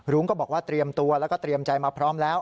ก็บอกว่าเตรียมตัวแล้วก็เตรียมใจมาพร้อมแล้ว